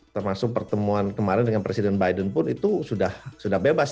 termasuk pertemuan kemarin dengan presiden biden pun itu sudah bebas